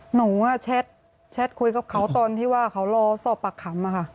หนูแชทคุยกับเขาตอนที่ว่าเขารอสอบปากคำค่ะ